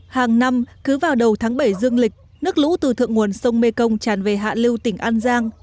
hàng năm cứ vào đầu tháng bảy dương lịch nước lũ từ thượng nguồn sông mê công tràn về hạ lưu tỉnh an giang